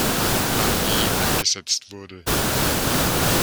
Armee angesetzt wurde.